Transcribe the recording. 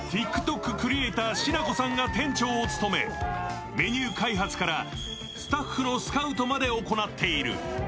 クリエイターしなこさんが店長を務めメニュー開発からスタッフのスカウトまで行っている。